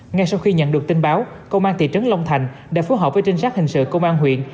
ngay sau khi nhận được tin báo công an thị trấn long thành đã phối hợp với trinh sát hình sự công an huyện